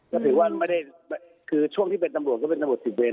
ก็ถือว่าไม่ได้คือช่วงที่เป็นตำรวจก็เป็นตำรวจสิบเวน